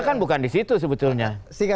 kan bukan disitu sebetulnya